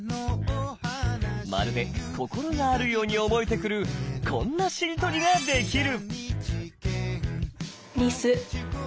まるで心があるように思えてくるこんなしりとりができる！